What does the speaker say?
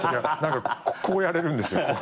何かこうやれるんですよ。